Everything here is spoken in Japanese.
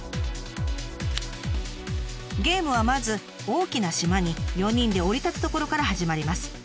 ゲームはまず大きな島に４人で降り立つところから始まります。